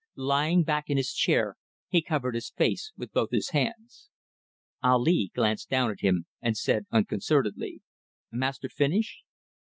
Lying back in his chair he covered his face with both his hands. Ali glanced down at him and said, unconcernedly "Master finish?"